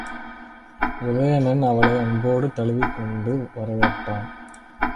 உதயணன் அவளை அன்போடு தழுவிக்கொண்டு வரவேற்றான்.